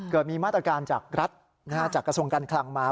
เกิดมีมาตรการจากรัฐจากกระทรวงการคลังมา